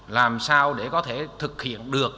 làm sao để có thể thực hiện được